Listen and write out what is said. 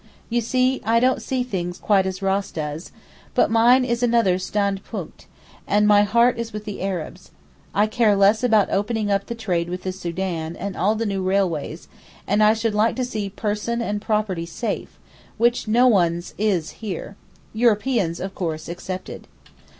You see, I don't see things quite as Ross does, but mine is another standpunkt, and my heart is with the Arabs. I care less about opening up the trade with the Soudan and all the new railways, and I should like to see person and property safe, which no one's is here (Europeans, of course, excepted).